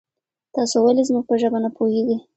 تاسو ولې زمونږ په ژبه نه پوهیږي؟